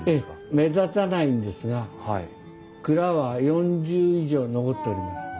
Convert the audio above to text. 目立たないんですが蔵は４０以上残っております。